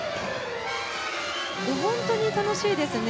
本当に楽しいですね。